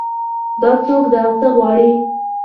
دا څوک ده او څه غواړي